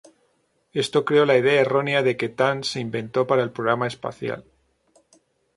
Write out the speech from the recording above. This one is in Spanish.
Esto creó la idea errónea de que Tang se inventó para el programa espacial.